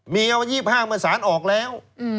มีอาวัดยีบห้างมือสานออกแล้ว